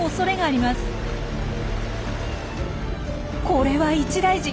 これは一大事。